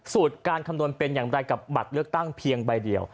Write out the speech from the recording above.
การคำนวณเป็นอย่างไรกับบัตรเลือกตั้งเพียงใบเดียว